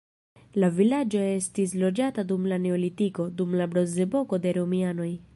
La vilaĝo estis loĝata dum la neolitiko, dum la bronzepoko, de romianoj.